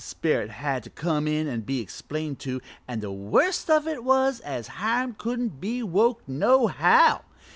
Sperrit had to come in an' be explained to, an' the worst of it was as Hiram couldn't be woke nohow.